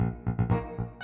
emanya udah pulang kok